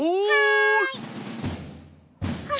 はい！